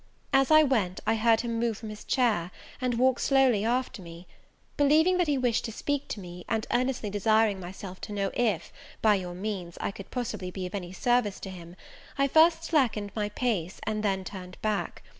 As I went, I heard him move from his chair, and walk slowly after me. Believing that he wished to speak to me, and earnestly desiring myself to know if, by your means, I could possibly be of any service to him, I first slackened my pace, and then turned back.